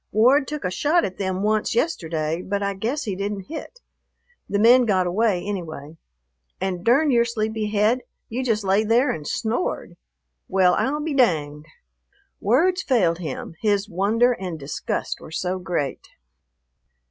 Ward took a shot at them once yesterday, but I guess he didn't hit; the men got away, anyway. And durn your sleepy head! you just lay there and snored. Well, I'll be danged!" Words failed him, his wonder and disgust were so great.